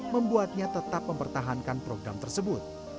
membuatnya tetap mempertahankan program tersebut